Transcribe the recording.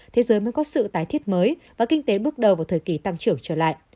thế giới mới có sự tái thiết mới và kinh tế bước đầu vào thời kỳ tăng trưởng trở lại